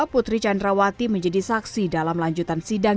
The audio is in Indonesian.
putri candrawati menjadi saksi dalam lanjutan sidang